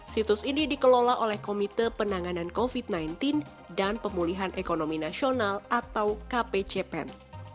situs ini dikelola oleh komite penanganan covid sembilan belas dan pemulihan ekonomi nasional atau kpcpen